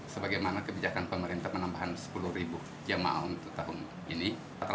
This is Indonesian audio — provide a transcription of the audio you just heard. sebagaimana kebijakan pemerintah penambahan sepuluh jamaah untuk tahun ini